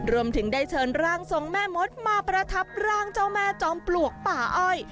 รวมถึงได้เชิญร่างทรงแม่มดมาประทับร่างเจ้าแม่จอมปลวกป่าอ้อย